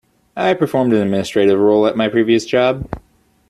I performed an administrative role at my previous job.